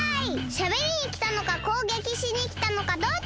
しゃべりにきたのかこうげきしにきたのかどっちだ！